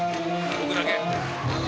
僕だけ。